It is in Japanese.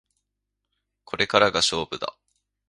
これからが勝負だ